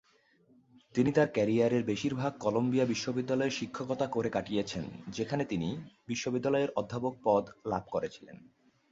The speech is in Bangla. তিনি তাঁর ক্যারিয়ারের বেশিরভাগ কলাম্বিয়া বিশ্ববিদ্যালয়ে শিক্ষকতা করে কাটিয়েছিলেন, যেখানে তিনি বিশ্ববিদ্যালয়ের অধ্যাপক পদ লাভ করেছিলেন।